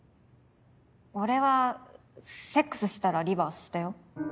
俺はセックスしたらリバースしたよ。